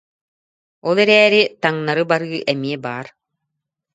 Ол эрээри, таҥнары барыы эмиэ баар